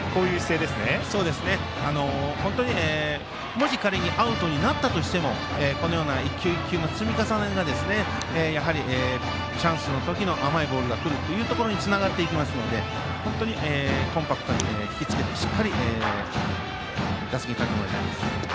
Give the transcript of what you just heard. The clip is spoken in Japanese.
もし仮にアウトになったとしても１球１球の積み重ねでチャンスの時に甘いボールが来るということにつながっていきますので本当にコンパクトに引き付けてしっかり打席に立ってもらいたいです。